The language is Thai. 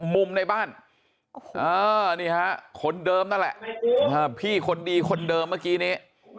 มุมในบ้านนี่ฮะคนเดิมนั่นแหละพี่คนดีคนเดิมเมื่อกี้นี้